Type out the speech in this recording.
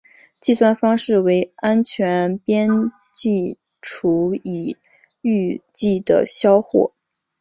计算方式为安全边际除以预计的销货。